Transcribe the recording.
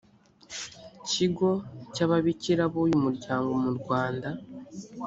kigo cy ababikira b uyu muryango mu rwanda